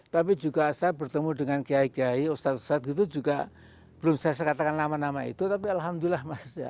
tapi juga saya bertemu dengan kiai kiai ustadz ustadz gitu juga belum saya katakan nama nama itu tapi alhamdulillah mas